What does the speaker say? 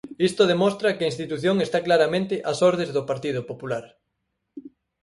Isto demostra que a institución está claramente ás ordes do Partido Popular.